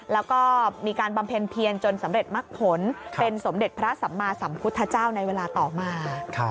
แล้วก็มีการบำเพ็ญเพียรจนสำเร็จมักผลเป็นสมเด็จพระสัมมาสัมพุทธเจ้าในเวลาต่อมา